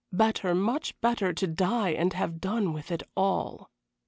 better, much better, to die and have done with it all.